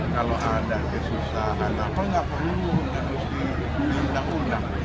kalau ada kesusahan apa nggak perlu harus diminta undang